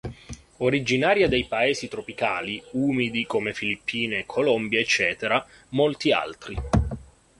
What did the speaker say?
Originaria dei paesi tropicali umidi come Filippine e Colombia ecc. molti altri.